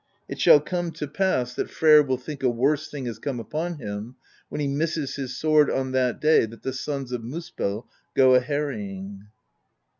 It shall come to pass 50 PROSE EDDA that Freyr will think a worse thing has come upon him, when he misses his sword on that day that the Sons of Muspell go a harrying."